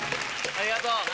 ありがとう！